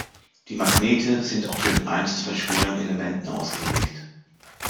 Die Magnete sind auch für den Einsatz bei schweren Elementen ausgelegt.